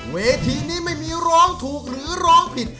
เวทีนี้ไม่มีร้องถูกหรือร้องผิด